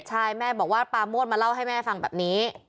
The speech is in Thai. ใช่แม่บอกว่าปาโมดมาเล่าให้แม่ฟังแบบนี้